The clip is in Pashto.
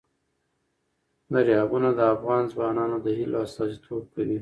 دریابونه د افغان ځوانانو د هیلو استازیتوب کوي.